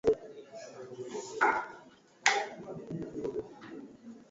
Historia ya chimbuko la Bongo Fleva inaturudisha mwanzoni mwa miaka ya tisini